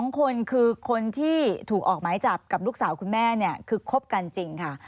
๒คนคือคนที่ถูกออกหมายจับกับลูกสาวคุณแม่คือคบกันจริงค่ะ